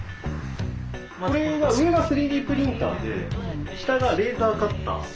これが上が３Ｄプリンターで下がレーザーカッター。